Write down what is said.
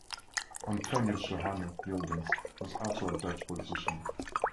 Antonius Johannes Jurgens was also a Dutch politician.